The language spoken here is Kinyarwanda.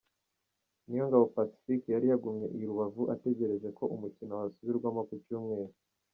Niyongabo Pacifique yari yagumye i Rubavu ategereje ko umukino wasubirwamo ku Cyumweru.